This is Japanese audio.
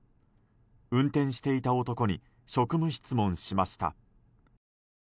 運転していた男に職務質問しました。